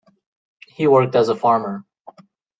He worked as a farmer.